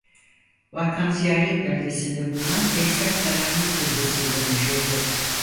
Baykan Ziyaret beldesinde bulunan Veysel Karani Türbesi ile meşhurdur.